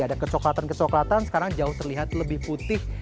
ada kecoklatan kecoklatan sekarang jauh terlihat lebih putih